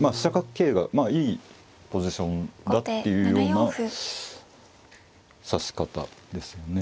桂がいいポジションだっていうような指し方ですよね。